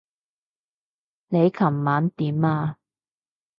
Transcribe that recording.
你琴晚點啊？